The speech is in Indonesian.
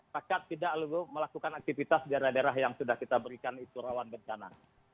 pakat tidak melakukan aktivitas di daerah daerah yang sudah kita berikan itu rawan bencana